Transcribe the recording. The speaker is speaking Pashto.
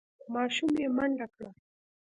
ماشوم یې منډه کړه.